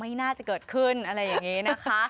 ไม่น่าจะเกิดขึ้นอะไรอย่างนี้นะคะ